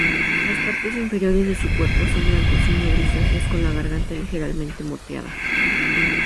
Las partes inferiores de su cuerpo son blanquecino grisáceas, con la garganta ligeramente moteada.